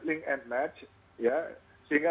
link and match sehingga